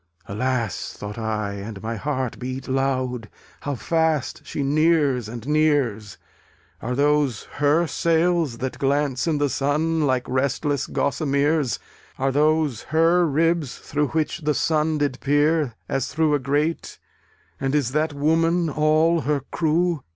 Alas! (thought I, and my heart beat loud) How fast she nears and nears! Are those her sails that glance in the Sun, Like restless gossameres! Are those her ribs through which the Sun Did peer, as through a grate? And is that Woman all her crew?